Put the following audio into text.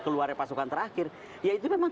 keluarnya pasukan terakhir ya itu memang